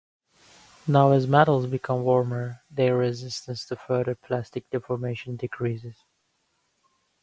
Now as metals become warmer, their resistance to further plastic deformation decreases.